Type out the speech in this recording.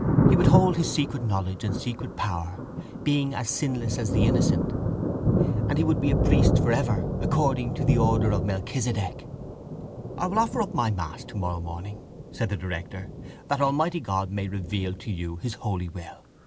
He would hold his secret knowledge and secret power, being as sinless as the innocent, and he would be a priest for ever according to the order of Melchisedec. —I will offer up my mass tomorrow morning, said the director, that Almighty God may reveal to you His holy will.